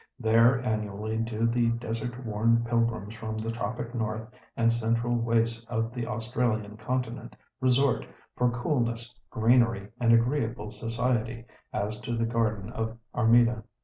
There annually do the desert worn pilgrims from the tropic north and central wastes of the Australian continent resort for coolness, greenery, and agreeable society, as to the garden of Armida.